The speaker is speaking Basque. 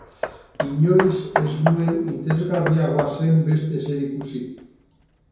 Inoiz ez nuen interesgarriago zen beste ezer ikusi.